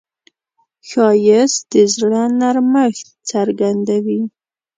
ښایست د زړه نرمښت څرګندوي